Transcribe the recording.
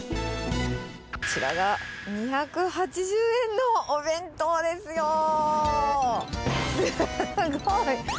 こちらが２８０円のお弁当ですよ。